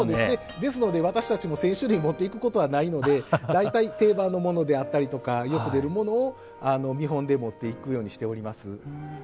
ですので私たちも１，０００種類持っていくことはないので大体定番のものであったりとかよく出るものを見本で持っていくようにしております。